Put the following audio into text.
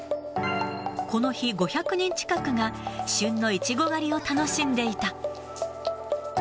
この日、５００人近くが旬のイチゴ狩りを楽しんでいた。